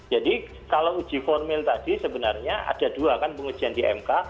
jadi kalau uji formil tadi sebenarnya ada dua kan pengujian di mk